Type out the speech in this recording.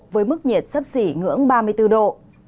với mức nhiệt sấp xỉ ngưỡng ba mươi bốn độ